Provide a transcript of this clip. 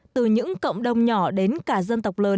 từ những cộng đồng nhỏ đến cả dân tộc lớn